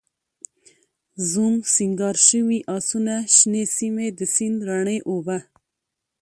زوم، سینګار شوي آسونه، شنې سیمې، د سیند رڼې اوبه